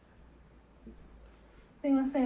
「すみません。